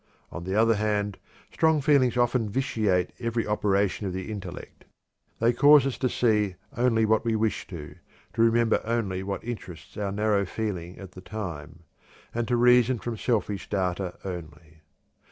On the other hand strong feelings often vitiate every operation of the intellect. They cause us to see only what we wish to, to remember only what interests our narrow feeling at the time, and to reason from selfish data only.